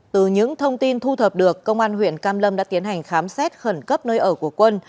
từ những thông tin thu thập được công an huyện cam lâm đã tiến hành khám xét khẩn cấp nơi ở của quân